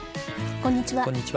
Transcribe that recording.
こんにちは。